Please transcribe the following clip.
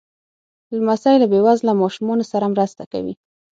لمسی له بې وزله ماشومانو سره مرسته کوي.